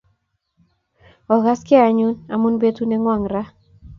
Ogaskei anyun amun petut ng'wong' ra.